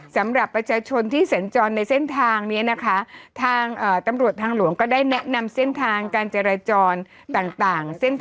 สำหรับประชาชนที่เสนจรในเส้นทางทางตำรวจทางหลวงก็แนะนำเส้นทางการเจรจรต่าง